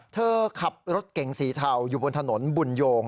เธอขับรถเก๋งสีเทาอยู่บนถนนบุญโยง